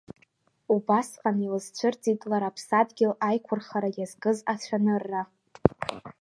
Убасҟан илзцәырҵит лара аԥсадгьыл аиқәырхара иазкыз ацәанырра…